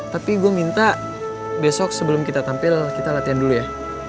tapi gue minta besok sebelum kita tampil kita latihan dulu ya